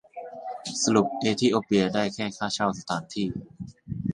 สรุปเอธิโอเปียได้แค่ค่าเช่าสถานที่